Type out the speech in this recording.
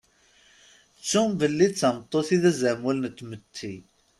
Ttun belli d tameṭṭut i d azamul n tmetti.